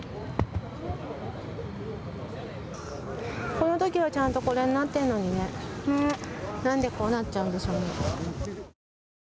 このときは、ちゃんとこれになっているのに、なんでこんなになっちゃうんでしょう。